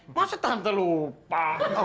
masa tante lupa